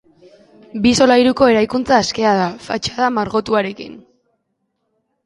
Bi solairuko eraikuntza askea da, fatxada margotuarekin.